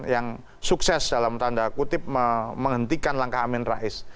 yang sukses dalam tanda kutip menghentikan langkah amin rais